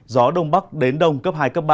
gió đông bắc đến đông cấp hai ba